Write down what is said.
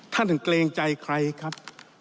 ท่านเกรงใจใครครับ